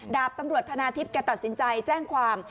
ดาบตำรวจธนาทิพย์แกตัดสินใจแจ้งความ